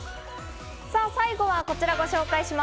最後はこちらをご紹介します。